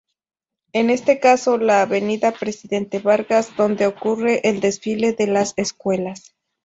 En este caso, la Avenida Presidente Vargas, donde ocurre el desfile de las "escuelas".